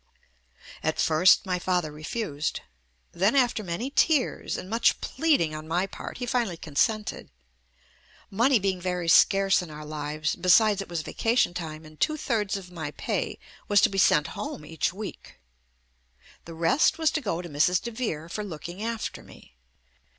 At first my father refused. Then after many tears and much pleading on my part, he finally JUST ME consented. Money being very scarce in our lives, besides it was vacation time and two thirds of my pay was to be sent home each week. The rest was to go to Mrs. DeVere for looking after me.